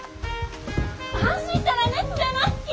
走ったら熱出ますき！